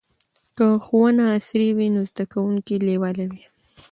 که ښوونه عصري وي نو زده کوونکي لیواله وي.